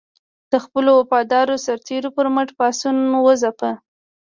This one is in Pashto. د خپلو وفادارو سرتېرو پر مټ پاڅون وځپه.